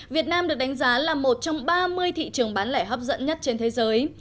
việt nam được đánh giá là một trong ba mươi thị trường bán lẻ hấp dẫn nhất trên thế giới